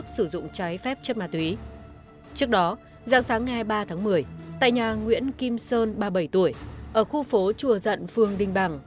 xin chào và hẹn gặp lại